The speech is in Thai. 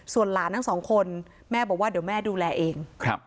ส่วนหลานทั้งสองคนแม่บอกว่าเดี๋ยวแม่ดูแลเอง